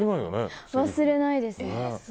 忘れないですね。